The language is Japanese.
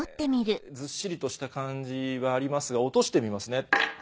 ずっしりとした感じはありますが落としてみますね。